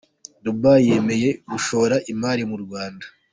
Dubai yemeye gushora imari mu Rwanda.